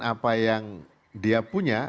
apa yang dia punya